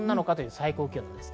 最高気温です。